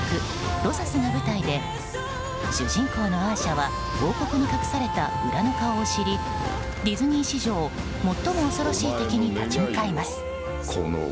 ロサスが舞台で主人公のアーシャは王国に隠された裏の顔を知りディズニー史上最も恐ろしい敵に立ち向かいます。